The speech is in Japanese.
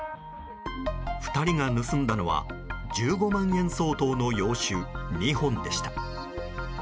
２人が盗んだのは１５万円相当の洋酒２本でした。